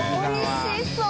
おいしそう。